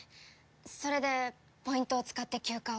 それでポイントを使って休暇を。